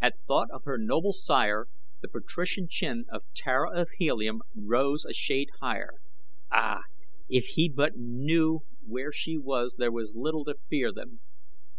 At thought of her noble sire the patrician chin of Tara of Helium rose a shade higher. Ah! if he but knew where she was there were little to fear then.